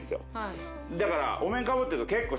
だから。